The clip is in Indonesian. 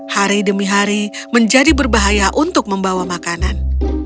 hari demi hari menjadi berbahaya untuk membawa makanan